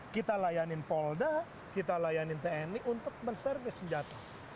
kita layanin polda kita layanin tni untuk menservis senjata